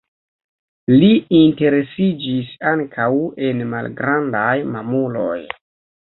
Li interesiĝis ankaŭ en malgrandaj mamuloj.